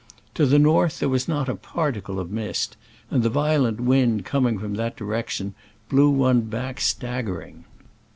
To the north there was not a particle of mist, and the violent wind coming from that direction blew one back stag gering.